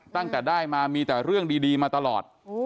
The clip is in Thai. ตั้งแต่ได้มามีแต่เรื่องดีมาตลอด